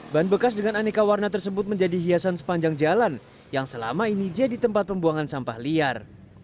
ban bekas dengan aneka warna tersebut menjadi hiasan sepanjang jalan yang selama ini jadi tempat pembuangan sampah liar